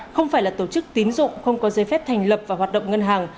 không phải là tổ chức tín dụng không có giấy phép thành lập và hoạt động ngân hàng